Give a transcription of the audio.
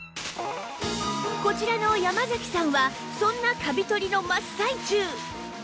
こちらの山嵜さんはそんなカビ取りの真っ最中